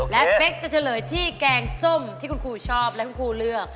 และเป๊กจะเฉลยที่แกงส้มที่คุณครูชอบและคุณครูเลือก